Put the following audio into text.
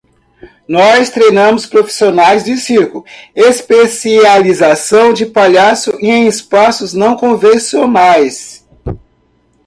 Nós treinamos profissionais de circo: especialização de palhaço em espaços não convencionais.